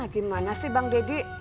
gimana sih bang deddy